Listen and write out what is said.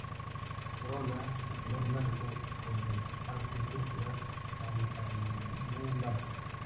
Corola de color blanco con el margen púrpura, campanulada.